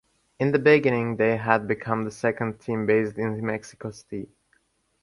In the beginning they had become the second team based in Mexico City.